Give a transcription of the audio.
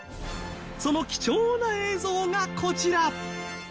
その貴重な映像がこちら。